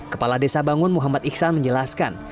kepala desa bangun muhammad iksan menjelaskan